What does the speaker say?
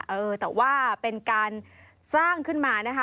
เออแต่ว่าเป็นการสร้างขึ้นมานะคะ